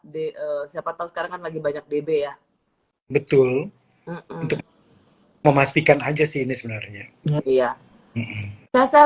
d siapa tahu sekarang kan lagi banyak db ya betul untuk memastikan aja sih ini sebenarnya iya nah saya